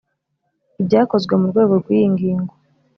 ibyakozwe mu rwego rw’iyi ngingo